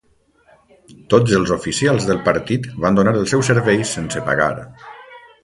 Tots els oficials del partit van donar els seus serveis sense pagar.